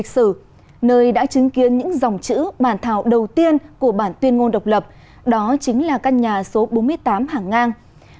lịch sử nơi đã chứng kiến những dòng chữ bản thảo đầu tiên của bản tuyên ngôn độc lập đó chính là căn nhà số bốn mươi tám hàng ngang